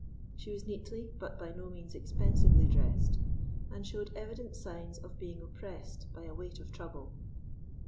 She was neatly but by no means expensively dressed, and showed evident signs of being oppressed by a weight of trouble.